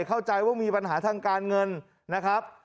เข้าใจว่ามีปัญหาทางการเงินนะครับ